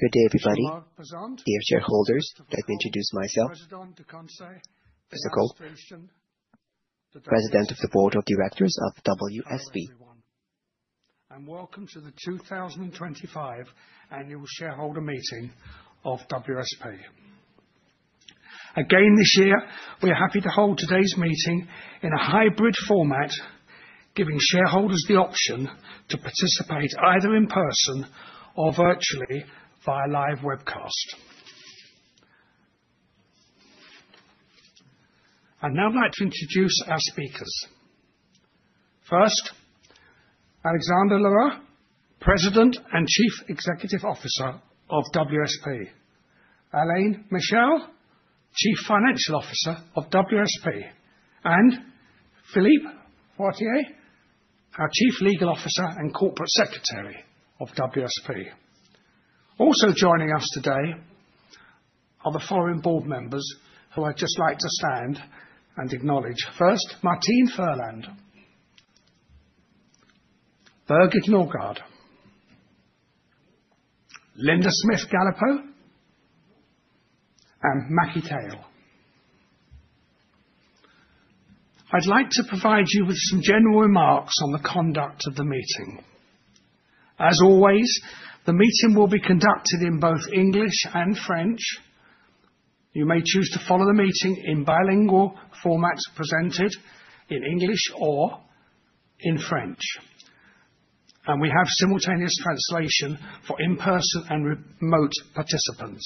Good day, everybody. Dear shareholders, let me introduce myself, Christopher Cole, President of the Board of Directors of WSP. Welcome to the two thousand and twenty-five Annual Shareholder Meeting of WSP. Again, this year, we are happy to hold today's meeting in a hybrid format, giving shareholders the option to participate either in person or virtually via live webcast. I'd now like to introduce our speakers. First, Alexandre L'Heureux, President and Chief Executive Officer of WSP. Alain Michaud, Chief Financial Officer of WSP, and Philippe Fortier, our Chief Legal Officer and Corporate Secretary of WSP. Also joining us today are the following board members, who I'd just like to stand and acknowledge. First, Martine Ferland, Birgit Nørgaard, Linda Smith-Galipeau, and Macky Tall. I'd like to provide you with some general remarks on the conduct of the meeting. As always, the meeting will be conducted in both English and French. You may choose to follow the meeting in bilingual formats presented in English or in French, and we have simultaneous translation for in-person and remote participants.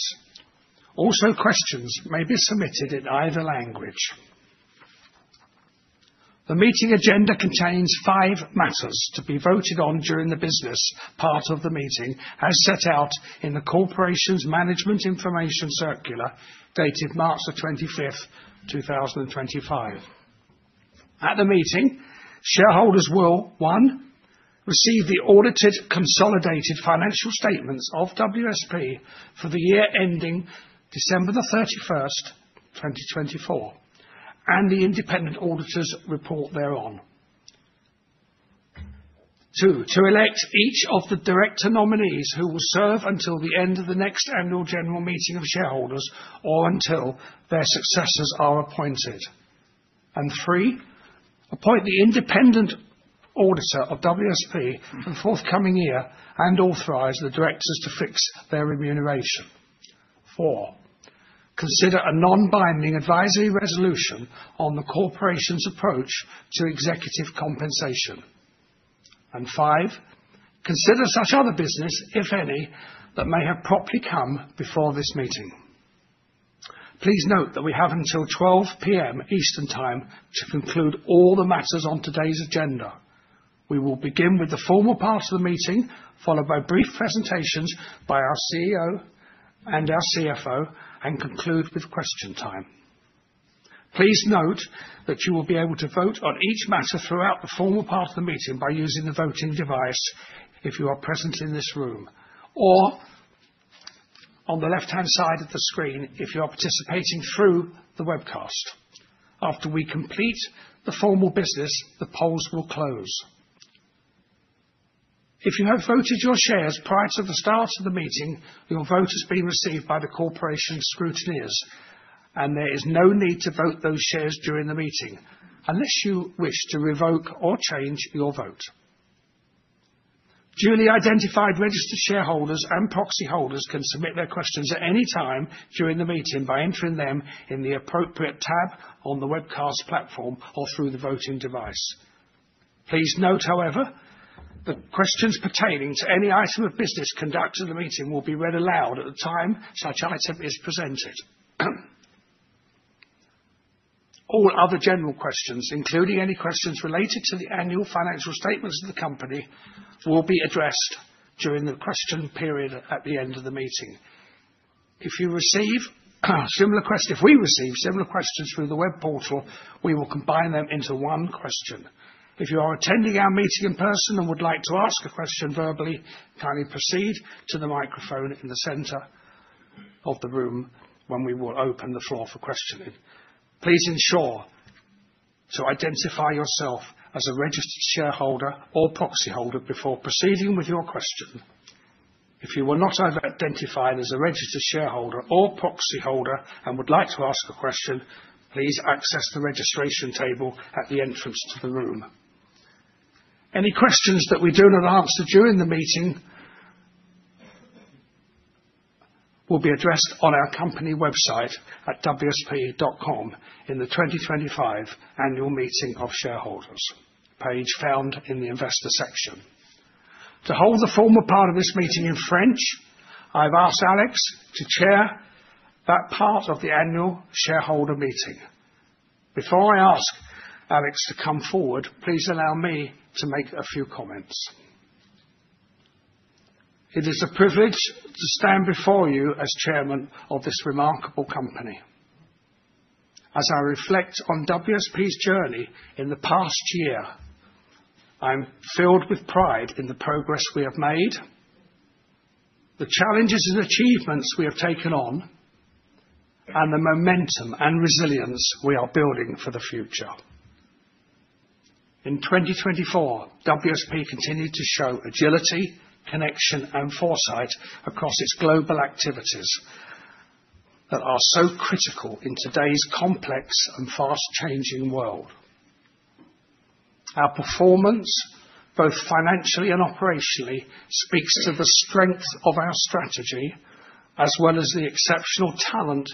Also, questions may be submitted in either language. The meeting agenda contains five matters to be voted on during the business part of the meeting, as set out in the Corporation's Management Information Circular, dated March the twenty-fifth, two thousand and twenty-five. At the meeting, shareholders will, one, receive the audited, consolidated financial statements of WSP for the year ending December the thirty-first, twenty twenty-four, and the independent auditor's report thereon. Two, to elect each of the director nominees who will serve until the end of the next annual general meeting of shareholders or until their successors are appointed. And three, appoint the independent auditor of WSP for the forthcoming year and authorize the directors to fix their remuneration. Four, consider a non-binding advisory resolution on the corporation's approach to executive compensation, and five, consider such other business, if any, that may have properly come before this meeting. Please note that we have until 12:00 P.M. Eastern Time to conclude all the matters on today's agenda. We will begin with the formal part of the meeting, followed by brief presentations by our CEO and our CFO, and conclude with question time. Please note that you will be able to vote on each matter throughout the formal part of the meeting by using the voting device if you are present in this room, or on the left-hand side of the screen, if you are participating through the webcast. After we complete the formal business, the polls will close. If you have voted your shares prior to the start of the meeting, your vote has been received by the corporation's scrutineers, and there is no need to vote those shares during the meeting, unless you wish to revoke or change your vote. Duly identified registered shareholders and proxy holders can submit their questions at any time during the meeting by entering them in the appropriate tab on the webcast platform or through the voting device. Please note, however, that questions pertaining to any item of business conducted in the meeting will be read aloud at the time such item is presented. All other general questions, including any questions related to the annual financial statements of the company, will be addressed during the question period at the end of the meeting. If we receive similar questions through the web portal, we will combine them into one question. If you are attending our meeting in person and would like to ask a question verbally, kindly proceed to the microphone in the center of the room when we will open the floor for questioning. Please ensure to identify yourself as a registered shareholder or proxy holder before proceeding with your question. If you were not identified as a registered shareholder or proxy holder and would like to ask a question, please access the registration table at the entrance to the room. Any questions that we do not answer during the meeting will be addressed on our company website at wsp.com in the twenty twenty-five Annual Meeting of Shareholders page found in the Investor section. To hold the formal part of this meeting in French, I've asked Alex to chair that part of the annual shareholder meeting. Before I ask Alex to come forward, please allow me to make a few comments. It is a privilege to stand before you as Chairman of this remarkable company. As I reflect on WSP's journey in the past year, I'm filled with pride in the progress we have made, the challenges and achievements we have taken on, and the momentum and resilience we are building for the future.... In twenty twenty-four, WSP continued to show agility, connection, and foresight across its global activities that are so critical in today's complex and fast-changing world. Our performance, both financially and operationally, speaks to the strength of our strategy, as well as the exceptional talent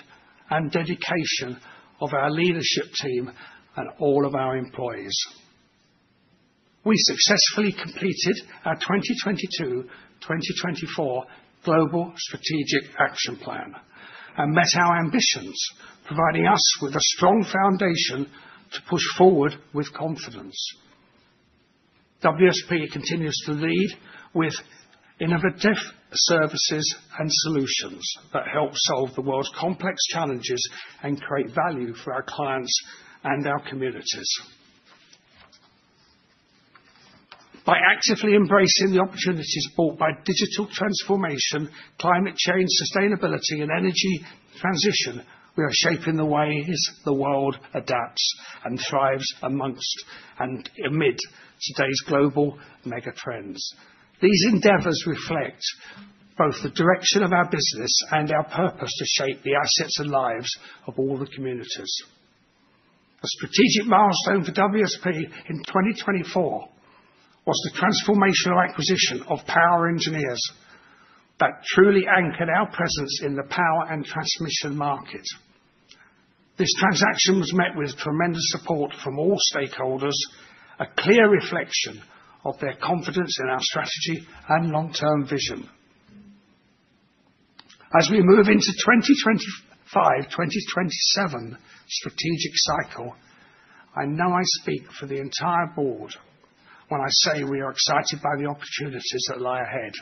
and dedication of our leadership team and all of our employees. We successfully completed our 2022-2024 Global Strategic Action Plan, and met our ambitions, providing us with a strong foundation to push forward with confidence. WSP continues to lead with innovative services and solutions that help solve the world's complex challenges and create value for our clients and our communities. By actively embracing the opportunities brought by digital transformation, climate change, sustainability, and energy transition, we are shaping the ways the world adapts and thrives amongst and amid today's global megatrends. These endeavors reflect both the direction of our business and our purpose to shape the assets and lives of all the communities. A strategic milestone for WSP in 2024 was the transformational acquisition of POWER Engineers that truly anchored our presence in the power and transmission market. This transaction was met with tremendous support from all stakeholders, a clear reflection of their confidence in our strategy and long-term vision. As we move into 2025/2027 strategic cycle, I know I speak for the entire board when I say we are excited by the opportunities that lie ahead.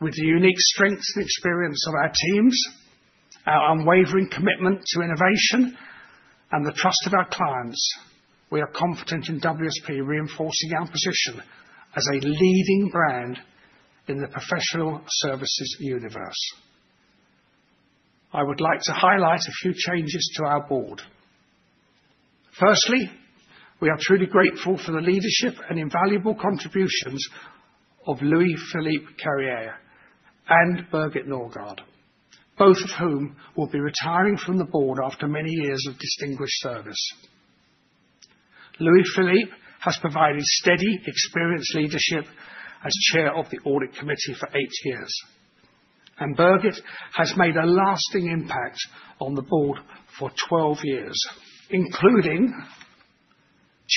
With the unique strengths and experience of our teams, our unwavering commitment to innovation, and the trust of our clients, we are confident in WSP reinforcing our position as a leading brand in the professional services universe. I would like to highlight a few changes to our board. Firstly, we are truly grateful for the leadership and invaluable contributions of Louis-Philippe Carrière and Birgit Nørgaard, both of whom will be retiring from the board after many years of distinguished service. Louis-Philippe has provided steady, experienced leadership as chair of the Audit Committee for eight years, and Birgit has made a lasting impact on the board for 12 years, including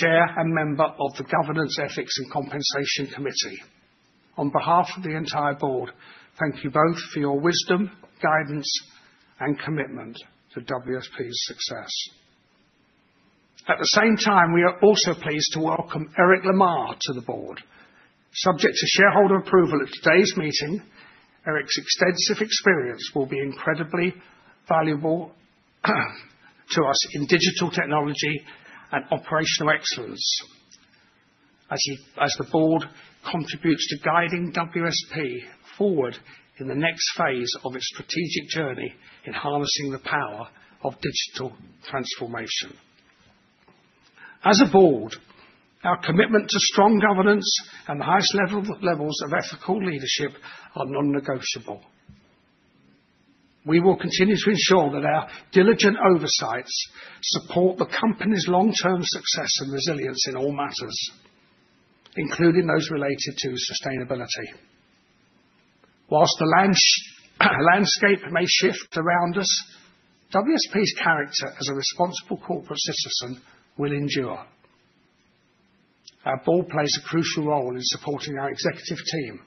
chair and member of the Governance, Ethics, and Compensation Committee. On behalf of the entire board, thank you both for your wisdom, guidance, and commitment to WSP's success. At the same time, we are also pleased to welcome Eric Lamarre to the board, subject to shareholder approval at today's meeting. Eric's extensive experience will be incredibly valuable to us in digital technology and operational excellence, as the board contributes to guiding WSP forward in the next phase of its strategic journey in harnessing the power of digital transformation. As a board, our commitment to strong governance and the highest levels of ethical leadership are non-negotiable. We will continue to ensure that our diligent oversights support the company's long-term success and resilience in all matters, including those related to sustainability. While the landscape may shift around us, WSP's character as a responsible corporate citizen will endure. Our board plays a crucial role in supporting our executive team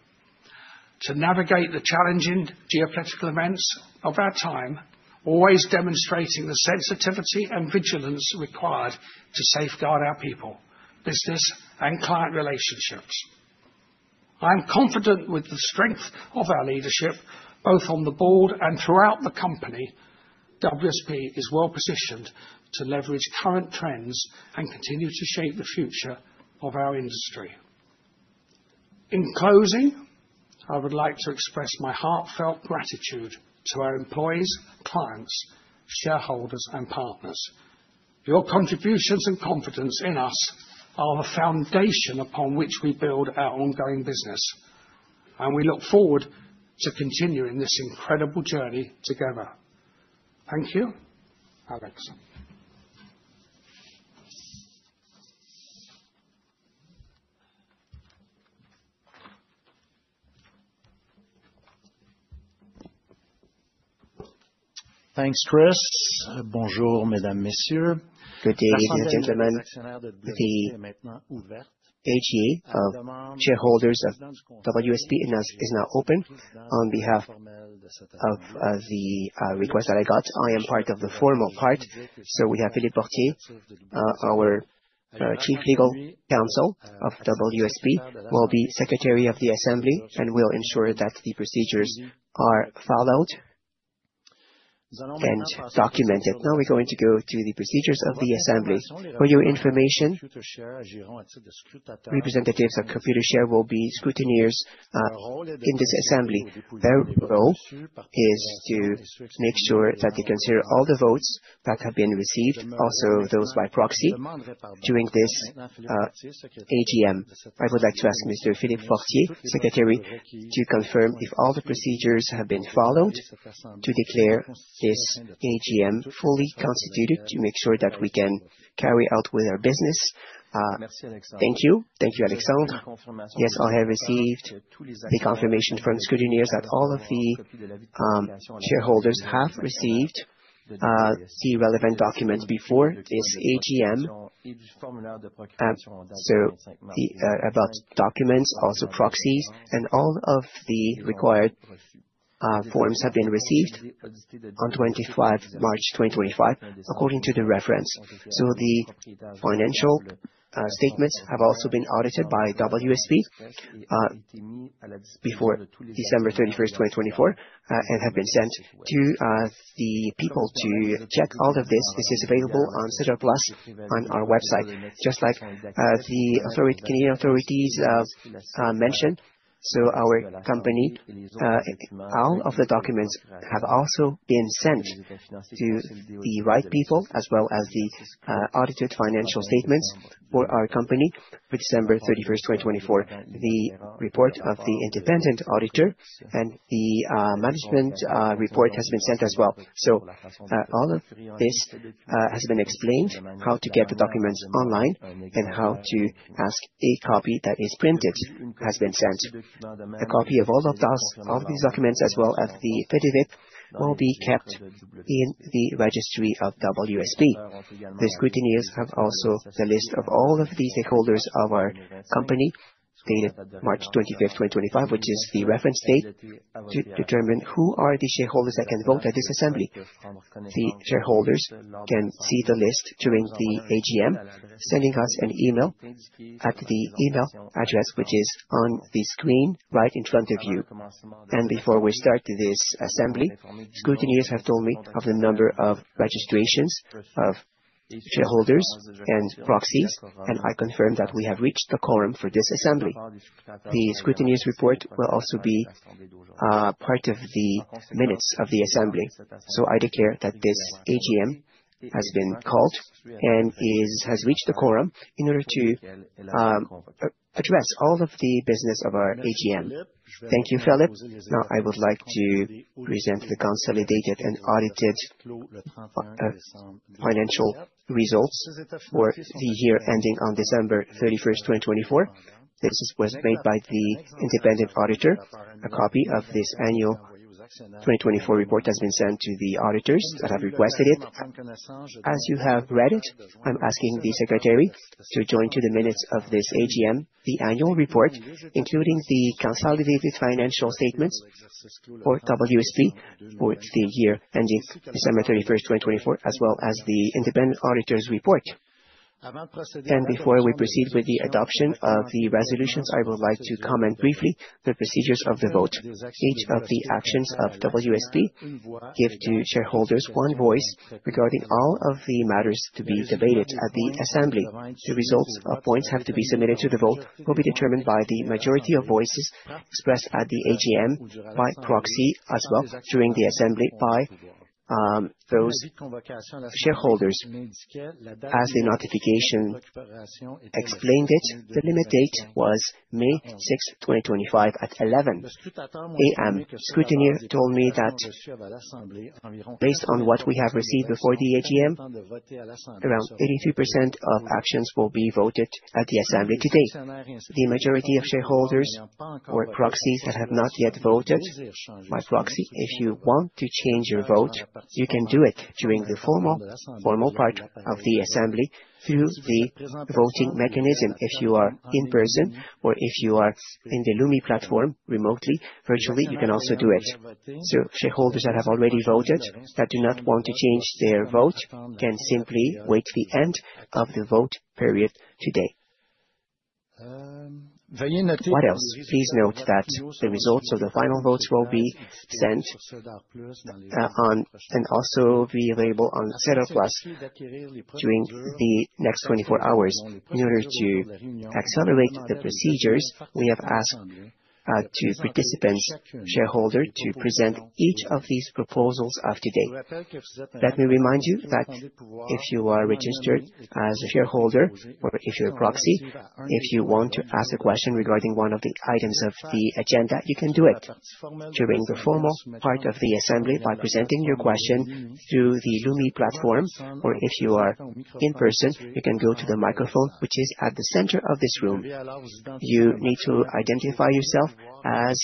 to navigate the challenging geopolitical events of our time, always demonstrating the sensitivity and vigilance required to safeguard our people, business, and client relationships. I am confident with the strength of our leadership, both on the board and throughout the company, WSP is well positioned to leverage current trends and continue to shape the future of our industry. In closing, I would like to express my heartfelt gratitude to our employees, clients, shareholders, and partners. Your contributions and confidence in us are the foundation upon which we build our ongoing business, and we look forward to continuing this incredible journey together. Thank you. Alex? Thanks, Chris. Bonjour, madame, monsieur. Good day, gentlemen. The AGM of shareholders of WSP is now open. On behalf of the request that I got, I am part of the formal part, so we have Philippe Fortier, our Chief Legal Counsel of WSP, will be Secretary of the Assembly and will ensure that the procedures are followed. And documented. Now we're going to go to the procedures of the assembly. For your information, representatives of Computershare will be scrutineers in this assembly. Their role is to make sure that they consider all the votes that have been received, also those by proxy, during this AGM. I would like to ask Mr. Philippe Fortier, secretary, to confirm if all the procedures have been followed, to declare this AGM fully constituted, to make sure that we can carry out with our business. Thank you. Thank you, Alexandre. Yes, I have received the confirmation from scrutineers that all of the shareholders have received the relevant documents before this AGM. So the about documents, also proxies, and all of the required forms have been received on 25 March 2025, according to the reference. So the financial statements have also been audited by WSP before December thirty-first, twenty twenty-four and have been sent to the people to check all of this. This is available on SEDAR+ on our website, just like the Canadian authorities mentioned. So our company all of the documents have also been sent to the right people, as well as the audited financial statements for our company for December thirty-first, twenty twenty-four. The report of the independent auditor and the management report has been sent as well. So, all of this has been explained, how to get the documents online and how to ask for a copy that is printed, has been sent. A copy of all of those, all these documents, as well as the fiduciary will be kept in the registry of WSP. The scrutineers have also the list of all of the stakeholders of our company, dated March twenty-fifth, twenty twenty-five, which is the reference date, to determine who are the shareholders that can vote at this assembly. The shareholders can see the list during the AGM, sending us an email at the email address, which is on the screen right in front of you. Before we start this assembly, scrutineers have told me of the number of registrations of shareholders and proxies, and I confirm that we have reached a quorum for this assembly. The scrutineers report will also be part of the minutes of the assembly. I declare that this AGM has been called and has reached a quorum in order to address all of the business of our AGM. Thank you, Philippe. Now, I would like to present the consolidated and audited financial results for the year ending on December 31, 2024. This was made by the independent auditor. A copy of this annual twenty twenty-four report has been sent to the auditors that have requested it. As you have read it, I'm asking the secretary to join to the minutes of this AGM, the Annual Report, including the Consolidated Financial Statements for WSP for the year ending December thirty-first, 2024, as well as the Independent Auditor's Report. And before we proceed with the adoption of the resolutions, I would like to comment briefly the procedures of the vote. Each of the actions of WSP give to shareholders one voice regarding all of the matters to be debated at the assembly. The results of points have to be submitted to the vote, will be determined by the majority of voices expressed at the AGM, by proxy as well, during the assembly, by, those shareholders. As the notification explained it, the limit date was May 6th, 2025 at 11:00 A.M. Scrutineer told me that based on what we have received before the AGM, around 83% of actions will be voted at the assembly today. The majority of shareholders or proxies that have not yet voted by proxy, if you want to change your vote, you can do it during the formal part of the assembly through the voting mechanism. If you are in person or if you are in the Lumi platform remotely, virtually, you can also do it. Shareholders that have already voted, that do not want to change their vote, can simply wait the end of the vote period today. What else? Please note that the results of the final votes will be sent, on, and also be available on SEDAR+ during the next 24 hours. In order to accelerate the procedures, we have asked to participants, shareholder, to present each of these proposals of today. Let me remind you that if you are registered as a shareholder or if you're a proxy, if you want to ask a question regarding one of the items of the agenda, you can do it during the formal part of the assembly by presenting your question through the Lumi platform, or if you are in person, you can go to the microphone, which is at the center of this room. You need to identify yourself as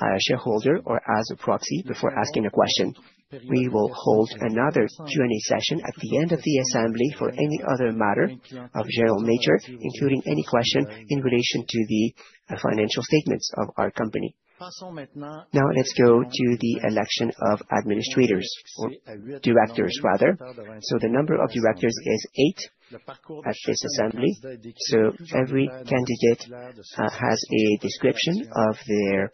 a shareholder or as a proxy before asking a question. We will hold another Q&A session at the end of the assembly for any other matter of general nature, including any question in relation to the financial statements of our company. Now, let's go to the election of administrators, or directors, rather. So the number of directors is eight at this assembly. So every candidate has a description of their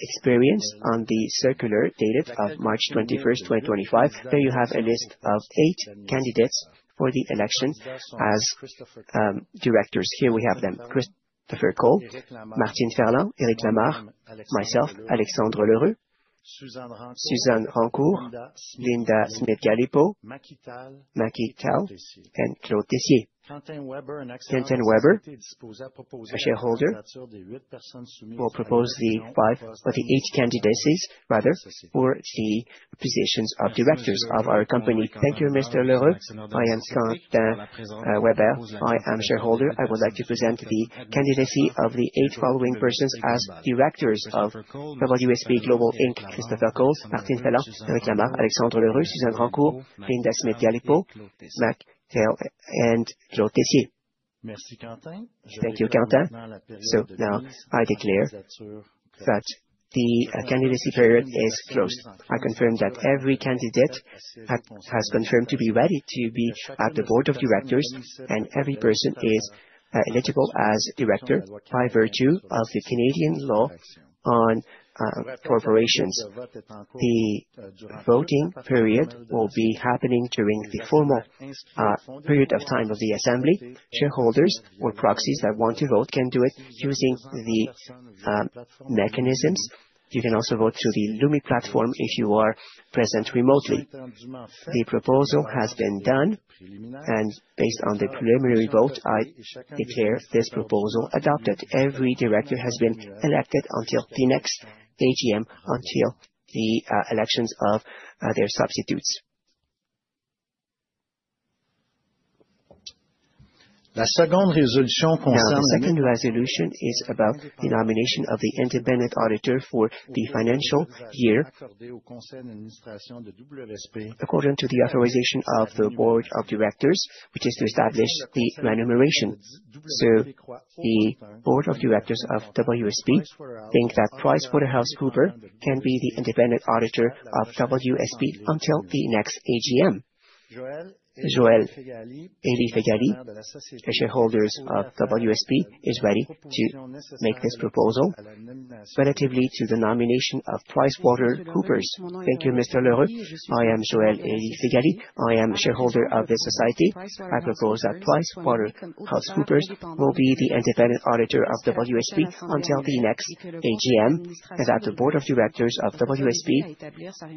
experience on the circular dated March 21, 2025. There you have a list of eight candidates for the election as directors. Here we have them, Christopher Cole, Martine Ferland, Eric Lamarre, myself, Alexandre L'Heureux, Suzanne Rancourt, Linda Smith-Galipeau, Macky Tall, and Claude Tessier. Quentin Weber, a shareholder, will propose the five or the eight candidates, rather, for the positions of directors of our company. Thank you, Mr. L'Heureux. I am Quentin Weber. I am shareholder. I would like to present the candidacy of the eight following persons as directors of WSP Global Inc., Christopher Cole, Martine Ferland, Eric Lamarre, Alexandre L'Heureux, Suzanne Rancourt, Linda Smith-Galipeau, Macky Tall, and Claude Tessier. Thank you, Quentin. So now I declare that the candidacy period is closed. I confirm that every candidate has confirmed to be ready to be at the Board Of Directors, and every person is eligible as director by virtue of the Canadian Law on Corporations. The voting period will be happening during the formal period of time of the assembly. Shareholders or proxies that want to vote can do it using the mechanisms. You can also vote through the Lumi platform if you are present remotely. The proposal has been done, and based on the preliminary vote, I declare this proposal adopted. Every director has been elected until the next AGM, until the elections of their substitutes. Now, the second resolution is about the nomination of the independent auditor for the financial year, according to the authorization of the Board Of Directors, which is to establish the remuneration. So the Board Of Directors of WSP think that PricewaterhouseCoopers can be the independent auditor of WSP until the next AGM. Joëlle El-Feghali, the shareholder of WSP, is ready to make this proposal relative to the nomination of PricewaterhouseCoopers. Thank you, Mr. L'Heureux. I am Joëlle El-Feghali. I am shareholder of this society. I propose that PricewaterhouseCoopers will be the independent auditor of WSP until the next AGM, and that the Board Of Directors of WSP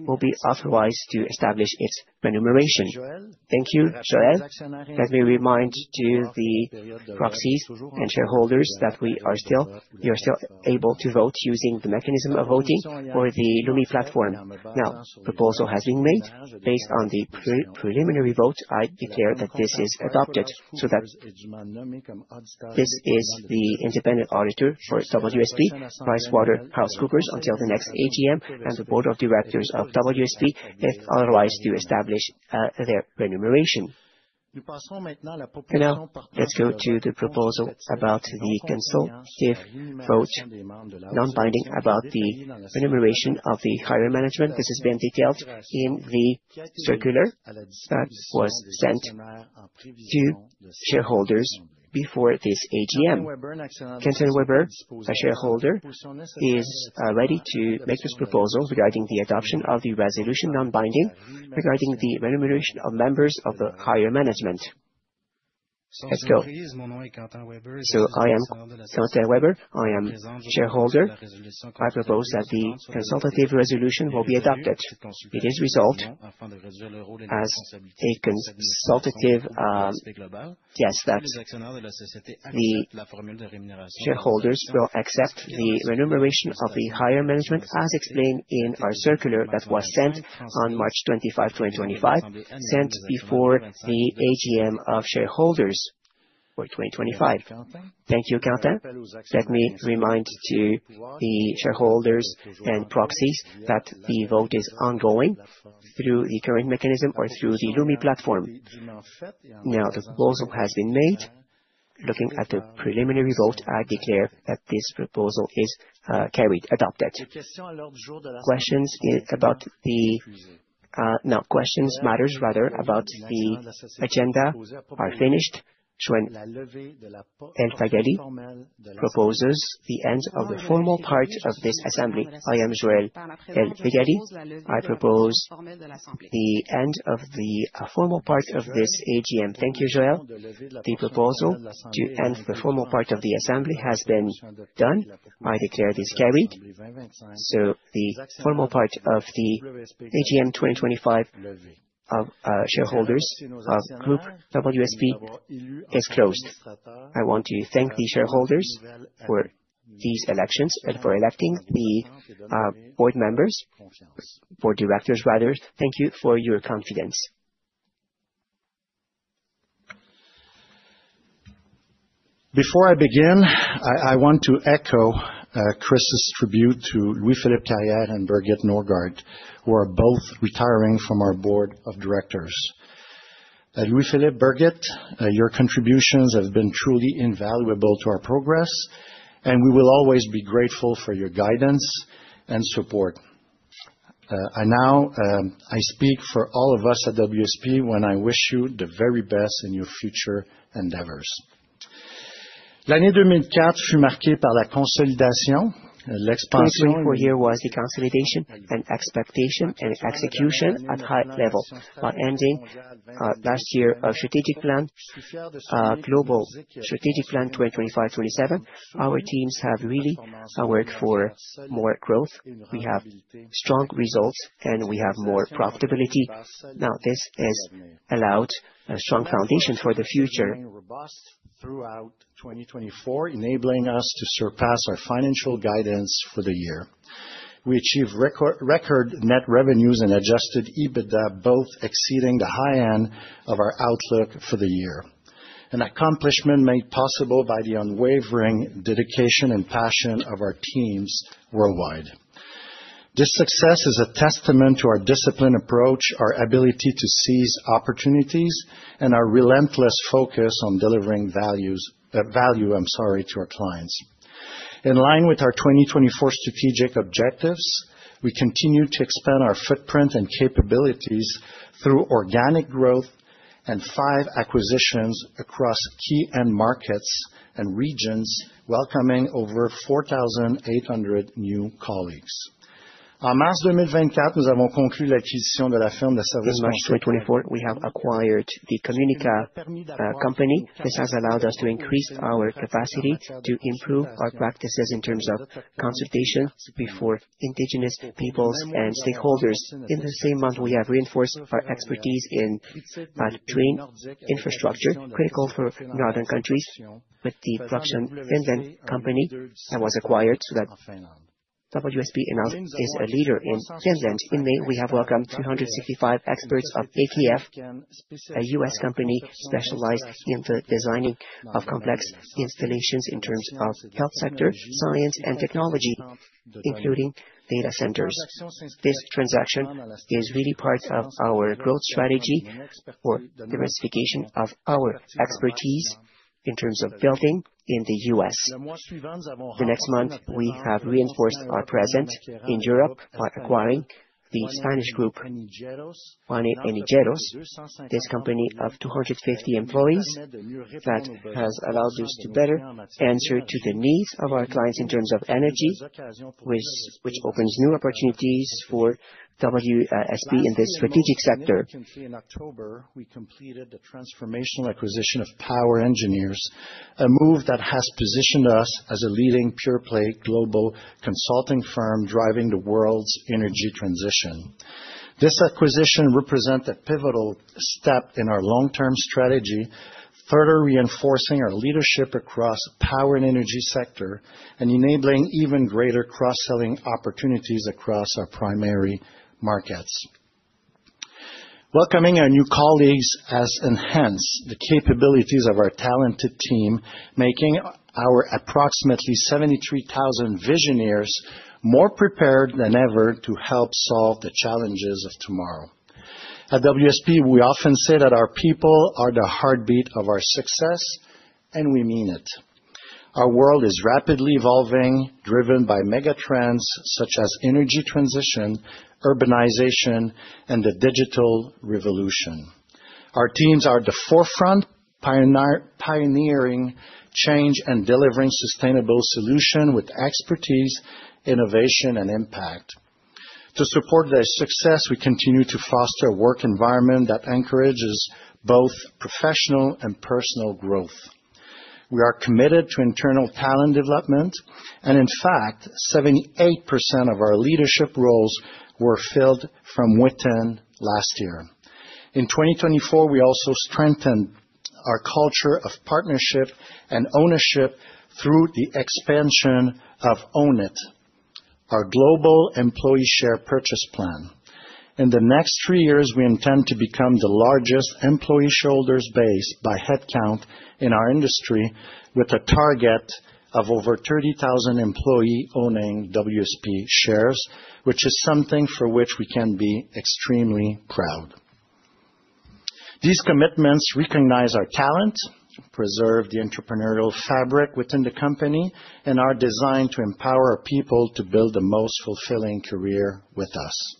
will be authorized to establish its remuneration. Thank you, Joëlle. Let me remind to the proxies and shareholders that you are still able to vote using the mechanism of voting or the Lumi platform. Now, proposal has been made based on the preliminary vote. I declare that this is adopted, so that this is the independent auditor for WSP, PricewaterhouseCoopers, until the next AGM, and the Board Of Directors of WSP is authorized to establish their remuneration. Now, let's go to the proposal about the consultative vote, non-binding, about the remuneration of the higher management. This has been detailed in the circular that was sent to shareholders before this AGM. Quentin Weber, a shareholder, is ready to make this proposal regarding the adoption of the resolution, non-binding, regarding the remuneration of members of the higher management. Let's go. So I am Quentin Weber. I am shareholder. I propose that the consultative resolution will be adopted. It is resolved as a consultative, yes, that the shareholders will accept the remuneration of the higher management as explained in our circular that was sent on March 25 2025, sent before the AGM of shareholders for twenty twenty-five. Thank you, Quentin. Let me remind to the shareholders and proxies that the vote is ongoing through the current mechanism or through the Lumi platform. Now, the proposal has been made. Looking at the preliminary vote, I declare that this proposal is, carried, adopted. Now, questions, matters rather, about the agenda are finished. Joëlle El-Feghali proposes the end of the formal part of this assembly. I am Joëlle El-Feghali. I propose the end of the, formal part of this AGM. Thank you, Joëlle. The proposal to end the formal part of the assembly has been done. I declare this carried. So the formal part of the AGM twenty twenty-five of shareholders of Group WSP is closed. I want to thank the shareholders for these elections and for electing the board members, board directors, rather. Thank you for your confidence. Before I begin, I want to echo Chris's tribute to Louis-Philippe Carrière and Birgit Nørgaard, who are both retiring from our Board Of Directors. Louis-Philippe, Birgit, your contributions have been truly invaluable to our progress, and we will always be grateful for your guidance and support. I now speak for all of us at WSP when I wish you the very best in your future endeavors. L'année deux mille vingt-quatre fut marquée par la consolidation, l'expansion for the year was the consolidation and expansion and execution at high level. On ending last year, our strategic plan, Global Strategic Plan 2025-2027, our teams have really worked for more growth. We have strong results, and we have more profitability. Now, this has allowed a strong foundation for the future. Robust throughout 2024, enabling us to surpass our financial guidance for the year. We achieved record, record net revenues and adjusted EBITDA, both exceeding the high end of our outlook for the year. An accomplishment made possible by the unwavering dedication and passion of our teams worldwide. This success is a testament to our disciplined approach, our ability to seize opportunities, and our relentless focus on delivering values, value, I'm sorry, to our clients. In line with our 2024 strategic objectives, we continue to expand our footprint and capabilities through organic growth and five acquisitions across key end markets and regions, welcoming over 4,800 new colleagues. In March 2024, we have acquired the Communica company. This has allowed us to increase our capacity to improve our practices in terms of consultations before indigenous peoples and stakeholders. In the same month, we have reinforced our expertise in battery infrastructure, critical for northern countries, with the Proxion Finnish company that was acquired, so that WSP is a leader in Finland. In May, we have welcomed 365 experts of AKF, a U.S. company specialized in the designing of complex installations in terms of health sector, science, and technology, including data centers. This transaction is really part of our growth strategy for diversification of our expertise in terms of building in the U.S. The next month, we have reinforced our presence in Europe by acquiring the Spanish group, 1A Ingenieros. This company of 250 employees, that has allowed us to better answer to the needs of our clients in terms of energy, which opens new opportunities for WSP in this strategic sector. In October, we completed the transformational acquisition of POWER Engineers, a move that has positioned us as a leading pure-play global consulting firm, driving the world's energy transition. This acquisition represents a pivotal step in our long-term strategy, further reinforcing our leadership across power and energy sectors, and enabling even greater cross-selling opportunities across our primary markets. Welcoming our new colleagues has enhanced the capabilities of our talented team, making our approximately 73,000 visionaries more prepared than ever to help solve the challenges of tomorrow. At WSP, we often say that our people are the heartbeat of our success, and we mean it. Our world is rapidly evolving, driven by mega trends such as energy transition, urbanization, and the digital revolution. Our teams are at the forefront, pioneering change and delivering sustainable solutions with expertise, innovation, and impact. To support their success, we continue to foster a work environment that encourages both professional and personal growth. We are committed to internal talent development, and in fact, 78% of our leadership roles were filled from within last year. In 2024, we also strengthened our culture of partnership and ownership through the expansion of Own It, our global employee share purchase plan. In the next three years, we intend to become the largest employee shareholders base by head count in our industry, with a target of over 30,000 employee owning WSP shares, which is something for which we can be extremely proud. These commitments recognize our talent, preserve the entrepreneurial fabric within the company, and are designed to empower our people to build the most fulfilling career with us.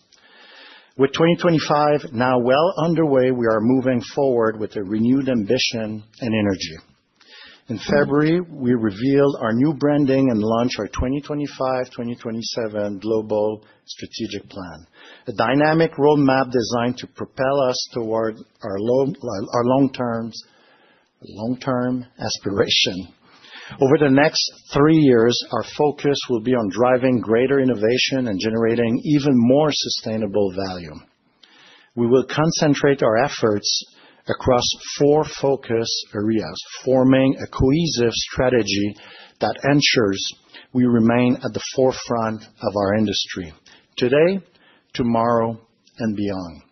With 2025 now well underway, we are moving forward with a renewed ambition and energy. In February, we revealed our new branding and launched our 2025/2027 global strategic plan, a dynamic roadmap designed to propel us toward our long-term aspiration. Over the next three years, our focus will be on driving greater innovation and generating even more sustainable value. We will concentrate our efforts across four focus areas, forming a cohesive strategy that ensures we remain at the forefront of our industry today, tomorrow, and beyond.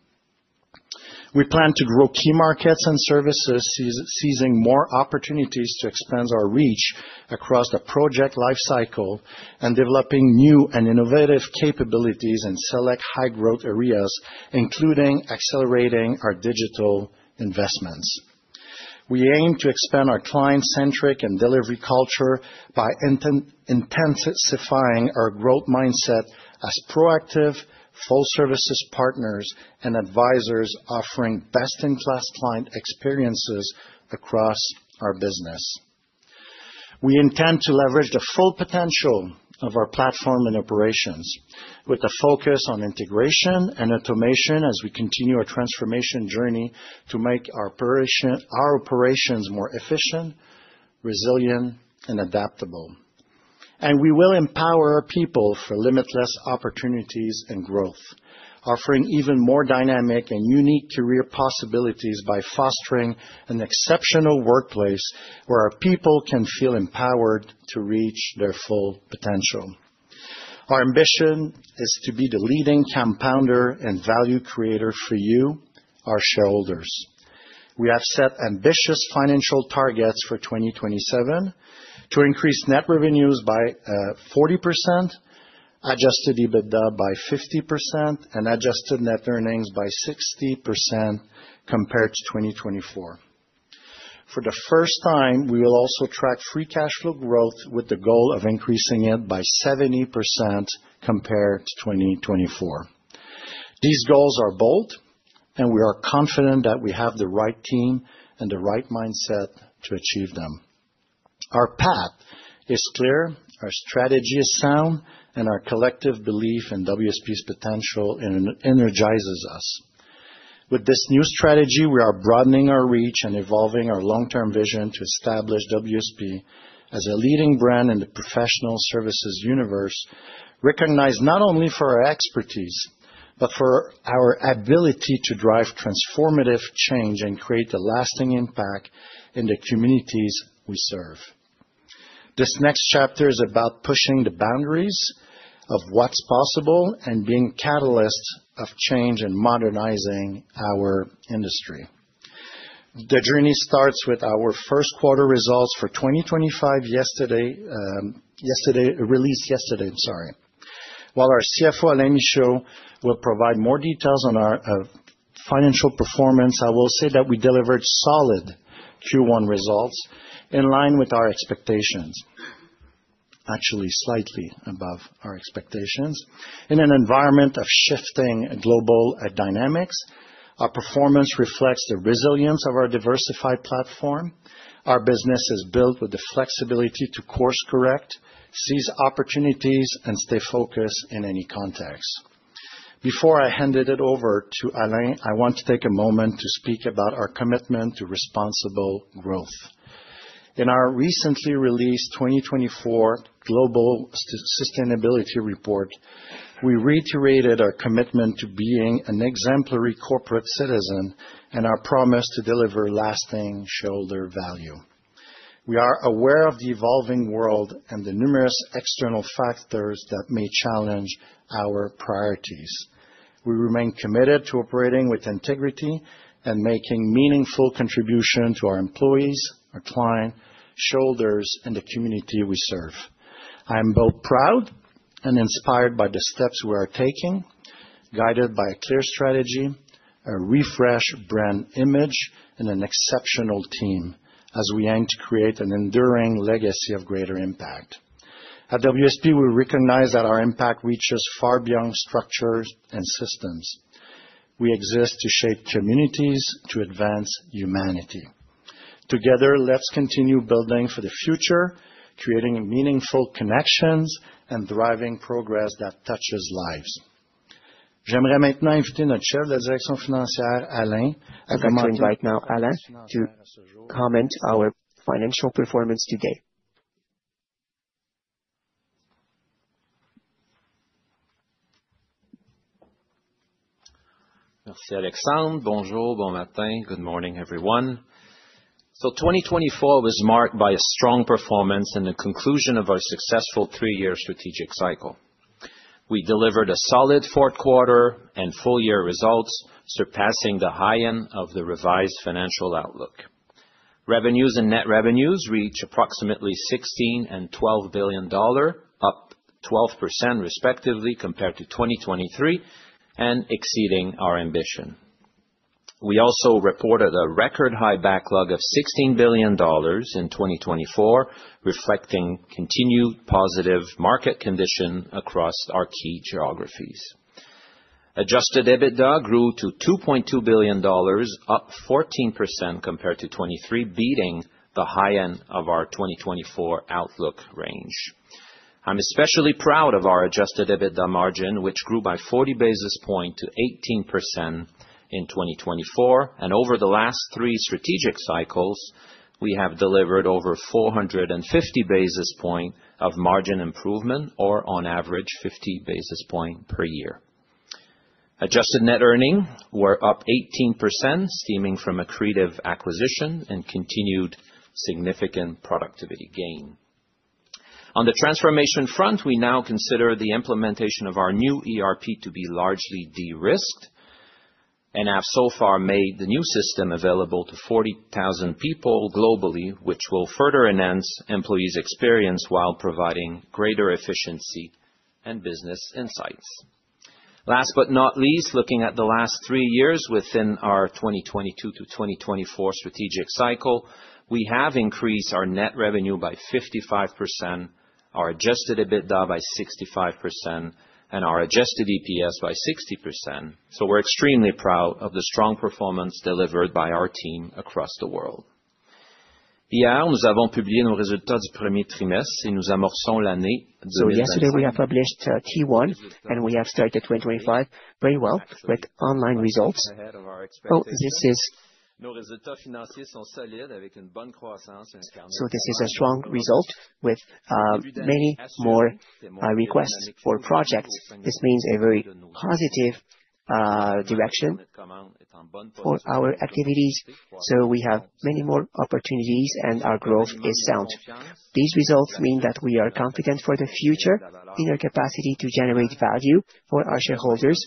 We plan to grow key markets and services, seizing more opportunities to expand our reach across the project lifecycle, and developing new and innovative capabilities in select high-growth areas, including accelerating our digital investments. We aim to expand our client-centric and delivery culture by intensifying our growth mindset as proactive, full services partners and advisors, offering best-in-class client experiences across our business. We intend to leverage the full potential of our platform and operations, with a focus on integration and automation as we continue our transformation journey to make our operations more efficient, resilient, and adaptable. And we will empower people for limitless opportunities and growth, offering even more dynamic and unique career possibilities by fostering an exceptional workplace where our people can feel empowered to reach their full potential. Our ambition is to be the leading compounder and value creator for you, our shareholders. We have set ambitious financial targets for 2027 to increase Net Revenues by 40%, Adjusted EBITDA by 50%, and Adjusted Net Earnings by 60% compared to 2024. For the first time, we will also track free cash flow growth with the goal of increasing it by 70% compared to 2024. These goals are bold, and we are confident that we have the right team and the right mindset to achieve them. Our path is clear, our strategy is sound, and our collective belief in WSP's potential energizes us. With this new strategy, we are broadening our reach and evolving our long-term vision to establish WSP as a leading brand in the professional services universe, recognized not only for our expertise, but for our ability to drive transformative change and create a lasting impact in the communities we serve. This next chapter is about pushing the boundaries of what's possible and being catalysts of change in modernizing our industry. The journey starts with our first quarter results for 2025, released yesterday. Sorry. While our CFO, Alain, who will provide more details on our financial performance, I will say that we delivered solid Q1 results in line with our expectations. Actually, slightly above our expectations. In an environment of shifting global dynamics, our performance reflects the resilience of our diversified platform. Our business is built with the flexibility to course correct, seize opportunities, and stay focused in any context. Before I handed it over to Alain, I want to take a moment to speak about our commitment to responsible growth. In our recently released 2024 Global Sustainability Report, we reiterated our commitment to being an exemplary corporate citizen and our promise to deliver lasting shareholder value. We are aware of the evolving world and the numerous external factors that may challenge our priorities. We remain committed to operating with integrity and making meaningful contribution to our employees, our client, shareholders, and the community we serve. I am both proud and inspired by the steps we are taking, guided by a clear strategy, a refreshed brand image, and an exceptional team, as we aim to create an enduring legacy of greater impact. At WSP, we recognize that our impact reaches far beyond structures and systems. We exist to shape communities, to advance humanity. Together, let's continue building for the future, creating meaningful connections, and driving progress that touches lives. J'aimerais maintenant inviter notre chef de direction financière, Alain, to comment right now, Alain, to comment our financial performance today. Merci, Alexandre. Bonjour, bon matin. Good morning, everyone. So 2024 was marked by a strong performance and the conclusion of our successful three-year strategic cycle. We delivered a solid fourth quarter and full year results, surpassing the high end of the revised financial outlook. Revenues and net revenues reach approximately $16 billion and $12 billion, up 12%, respectively, compared to 2023, and exceeding our ambition. We also reported a record high backlog of $16 billion in 2024, reflecting continued positive market conditions across our key geographies. Adjusted EBITDA grew to $2.2 billion, up 14% compared to 2023, beating the high end of our 2024 outlook range. I'm especially proud of our Adjusted EBITDA margin, which grew by 40 basis points to 18% in 2024, and over the last three strategic cycles, we have delivered over 450 basis points of margin improvement, or on average, 50 basis points per year. Adjusted net earnings were up 18%, stemming from accretive acquisitions and continued significant productivity gains. On the transformation front, we now consider the implementation of our new ERP to be largely de-risked, and have so far made the new system available to 40,000 people globally, which will further enhance employees' experience while providing greater efficiency and business insights. Last but not least, looking at the last three years within our 2022 to 2024 strategic cycle, we have increased our net revenue by 55%-... Our Adjusted EBITDA by 65% and our Adjusted EPS by 60%. So we're extremely proud of the strong performance delivered by our team across the world. Yesterday, we have published Q1, and we have started 2025 very well with strong results. This is a strong result with many more requests for projects. This means a very positive direction for our activities, so we have many more opportunities, and our growth is sound. These results mean that we are confident for the future in our capacity to generate value for our shareholders,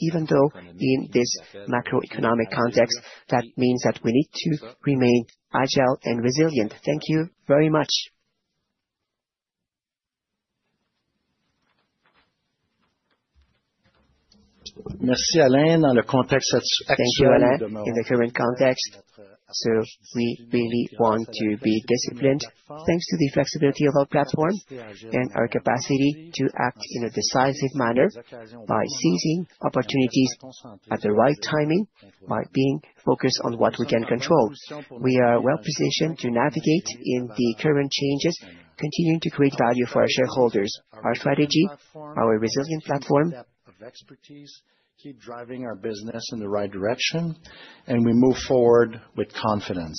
even though in this macroeconomic context, that means that we need to remain agile and resilient. Thank you very much. Thank you, Alain. In the current context, so we really want to be disciplined, thanks to the flexibility of our platform and our capacity to act in a decisive manner by seizing opportunities at the right timing, by being focused on what we can control. We are well positioned to navigate in the current changes, continuing to create value for our shareholders. Our strategy, our resilient platform- -of expertise, keep driving our business in the right direction, and we move forward with confidence.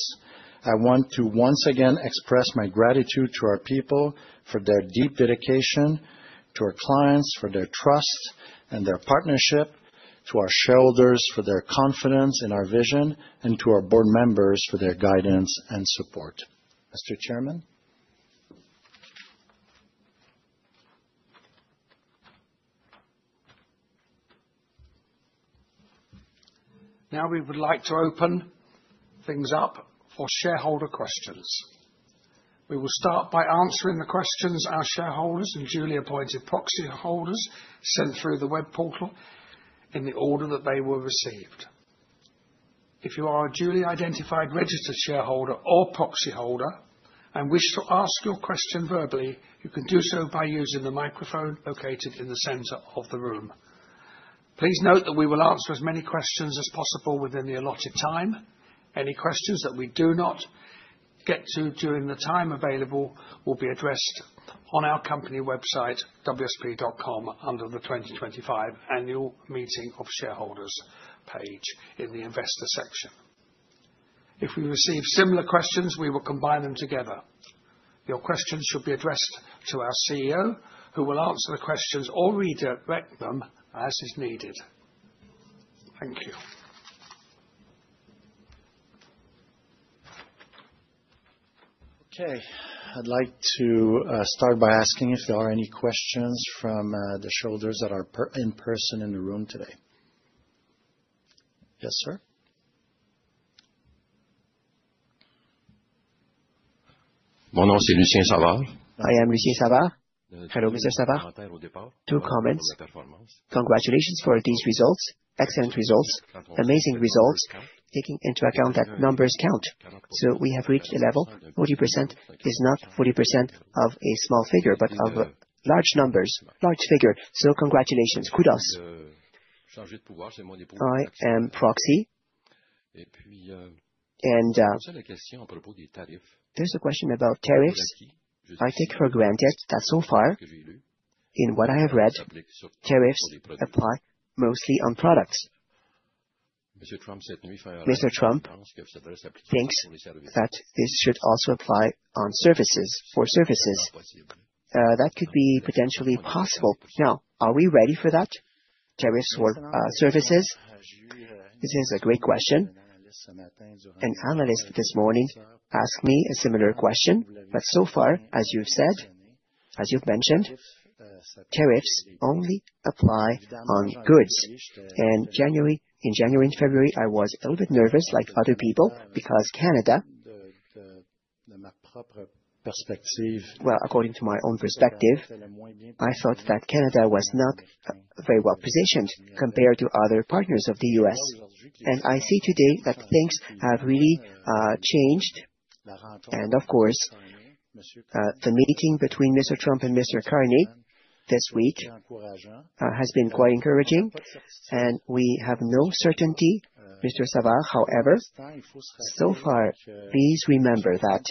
I want to once again express my gratitude to our people for their deep dedication, to our clients, for their trust and their partnership, to our shareholders, for their confidence in our vision, and to our board members for their guidance and support. Mr. Chairman? Now, we would like to open things up for shareholder questions. We will start by answering the questions our shareholders and duly appointed proxy holders sent through the web portal in the order that they were received. If you are a duly identified registered shareholder or proxy holder and wish to ask your question verbally, you can do so by using the microphone located in the center of the room. Please note that we will answer as many questions as possible within the allotted time. Any questions that we do not get to during the time available will be addressed on our company website, wsp.com, under the 2025 Annual Meeting of Shareholders page in the investor section. If we receive similar questions, we will combine them together. Your questions should be addressed to our CEO, who will answer the questions or redirect them as is needed. Thank you. Okay. I'd like to start by asking if there are any questions from the shareholders that are in person in the room today. Yes, sir? I am Lucien Savard. Hello, Mr. Savard. Two comments. Congratulations for these results. Excellent results. Amazing results, taking into account that numbers count. So we have reached a level, 40% is not 40% of a small figure, but of large numbers, large figure. So congratulations. Kudos. I am proxy, and there's a question about tariffs. I take for granted that so far, in what I have read, tariffs apply mostly on products. Mr. Trump thinks that this should also apply on services—for services. That could be potentially possible. Now, are we ready for that, tariffs for services? This is a great question. An analyst this morning asked me a similar question, but so far, as you've said, as you've mentioned, tariffs only apply on goods. In January and February, I was a little bit nervous like other people, because Canada... According to my own perspective, I thought that Canada was not very well positioned compared to other partners of the U.S. And I see today that things have really changed. And of course, the meeting between Mr. Trump and Mr. Carney this week has been quite encouraging, and we have no certainty, Mr. Savard, however, so far. Please remember that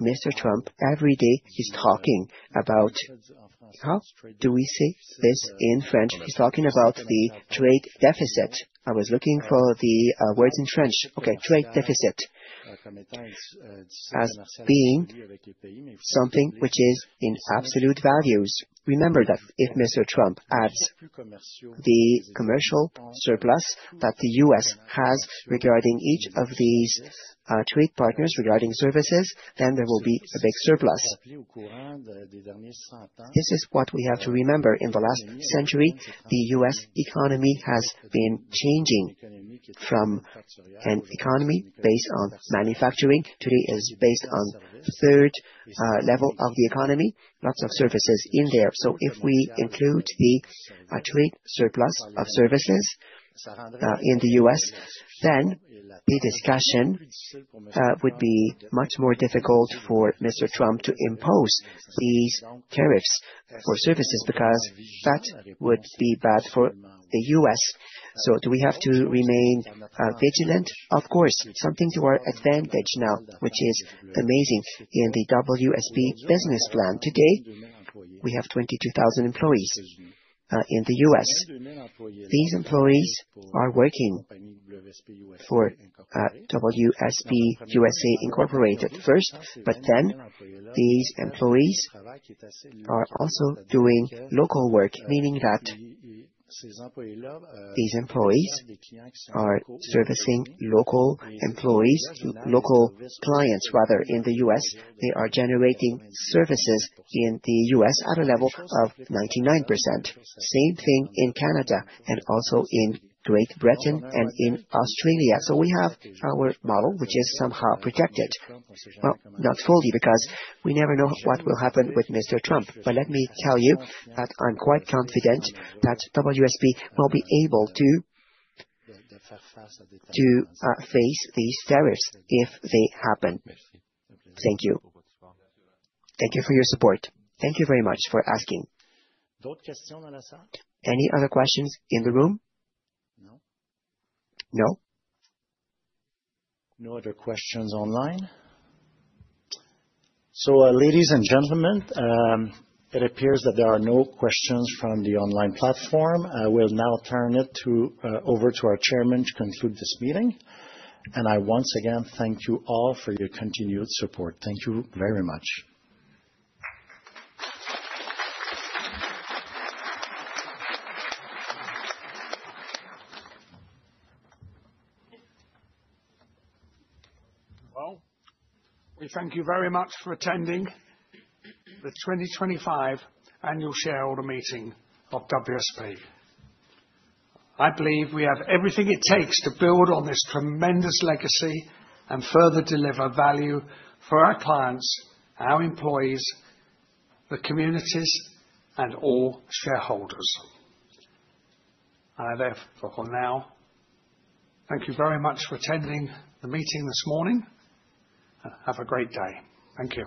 Mr. Trump, every day, he's talking about—how do we say this in French?—the trade deficit. I was looking for the words in French. Okay, trade deficit, as being something which is in absolute values. Remember that if Mr. Trump adds the commercial surplus that the U.S. has regarding each of these trade partners, regarding services, then there will be a big surplus. This is what we have to remember. In the last century, the U.S. economy has been changing from an economy based on manufacturing. Today it is based on the third level of the economy, lots of services in there. So if we include the trade surplus of services in the U.S., then the discussion would be much more difficult for Mr. Trump to impose these tariffs for services, because that would be bad for the U.S. So do we have to remain vigilant? Of course, something to our advantage now, which is amazing in the WSP business plan. Today, we have 22,000 employees in the U.S. These employees are working for WSP USA Incorporated first, but then these employees are also doing local work, meaning that these employees are servicing local clients, rather, in the U.S. They are generating services in the U.S. at a level of 99%. Same thing in Canada, and also in Great Britain and in Australia. So we have our model, which is somehow protected. Well, not fully, because we never know what will happen with Mr. Trump. But let me tell you that I'm quite confident that WSP will be able to face these tariffs if they happen. Thank you. Thank you for your support. Thank you very much for asking. Any other questions in the room? No? No other questions online. So, ladies and gentlemen, it appears that there are no questions from the online platform. I will now turn it over to our Chairman to conclude this meeting. And I once again thank you all for your continued support. Thank you very much. Well, we thank you very much for attending the twenty twenty-five Annual Shareholder Meeting of WSP. I believe we have everything it takes to build on this tremendous legacy and further deliver value for our clients, our employees, the communities, and all shareholders. I therefore, for now, thank you very much for attending the meeting this morning. Have a great day. Thank you.